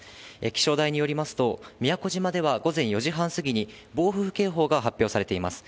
気象台によりますと、宮古島では午前４時半過ぎに暴風警報が発表されています。